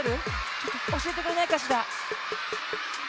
ちょっとおしえてくれないかしら？